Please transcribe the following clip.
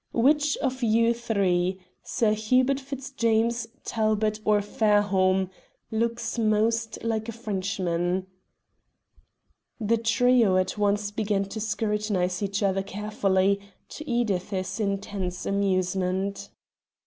"Which of you three Sir Hubert Fitzjames, Talbot, or Fairholme looks most like a Frenchman?" The trio at once began to scrutinize each other carefully, to Edith's intense amusement.